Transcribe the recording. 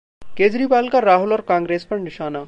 केजरीवाल का राहुल और कांग्रेस पर निशाना